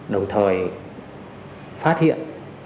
đồng thời phát hiện